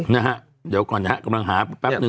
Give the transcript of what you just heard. นะฮะเดี๋ยวก่อนนะฮะกำลังหาแป๊บนึ